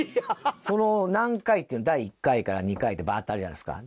その何回っていうの第１回から２回ってバーッてあるじゃないですか。